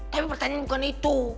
tapi pertanyaan bukan itu